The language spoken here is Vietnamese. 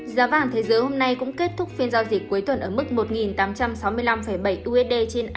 giá vàng thế giới hôm nay cũng kết thúc phiên giao dịch cuối tuần ở mức một tám trăm sáu mươi năm bảy usd trên